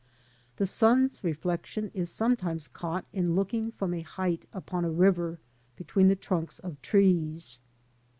The sun's reflection is sometimes caught in looking from a height upon a river between the trunks of trees.